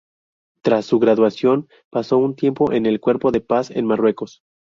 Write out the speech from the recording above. Tras su graduación, pasó un tiempo en el Cuerpo de Paz en Marruecos.